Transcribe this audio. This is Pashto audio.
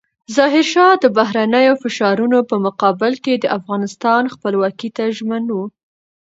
ظاهرشاه د بهرنیو فشارونو په مقابل کې د افغانستان خپلواکۍ ته ژمن و.